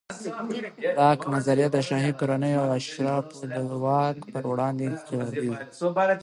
لاک نظریه د شاهي کورنیو او اشرافو د واک پر وړاندې انقلابي وه.